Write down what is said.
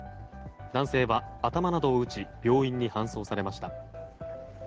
男性は頭などを打ち病院に搬送されました。